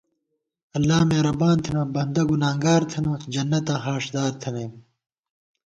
اللہ میرَبان تھنہ بندہ گُنانگار تھنہ جنتاں ہاݭدار تھنَئیم